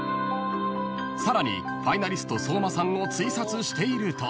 ［さらにファイナリスト相馬さんをツイサツしていると］